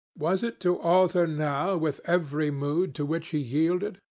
Was it to alter now with every mood to which he yielded?